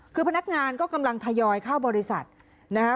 คือพนักงานก็กำลังทยอยเข้าบริษัทนะคะ